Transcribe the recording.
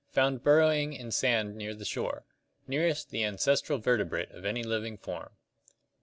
found burrowing in sand near the shore. Nearest the ancestral vertebrate of any living form.